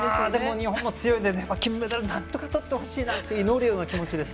日本も強いので金メダルなんとかとってほしいなという祈るような気持ちです。